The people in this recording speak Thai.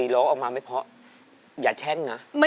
เล่น